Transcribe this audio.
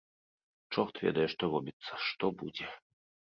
Чорт ведае што робіцца, што будзе.